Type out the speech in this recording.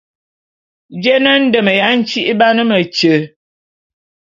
Jé é ne ndem ya ntyi'ibane metye?